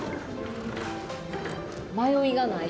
迷いがない。